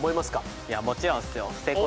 いやもちろんっすよ。